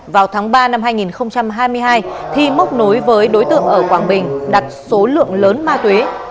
vào tháng ba năm hai nghìn hai mươi hai thi móc nối với đối tượng ở quảng bình đặt số lượng lớn ma túy